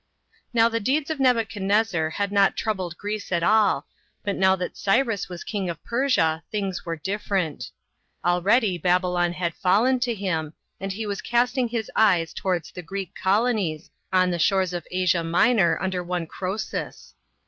Now the deeds of Nebuchadnezzar had not troubled Greece at all, but now that Cyrus was King of Persia, things were different. Already 84 STORY OF CYKUS. [B.C. 546. Babylon had fallen to him, and he was casting hie eyes towards the Greek colonies, on the shores of Asia Minor under one Croesus.